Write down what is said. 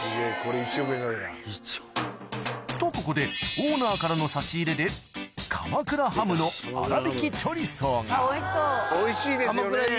とここでオーナーからの差し入れで鎌倉ハムの粗挽きチョリソーがおいしいですよね。